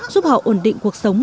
giúp họ ổn định cuộc sống